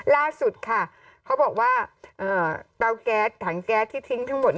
ล่าสุดค่ะเขาบอกว่าเตาแก๊สถังแก๊สที่ทิ้งทั้งหมด